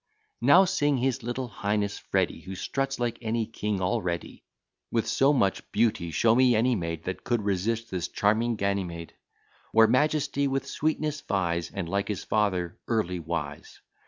Now sing his little highness Freddy Who struts like any king already: With so much beauty, show me any maid That could resist this charming Ganymede! Where majesty with sweetness vies, And, like his father, early wise.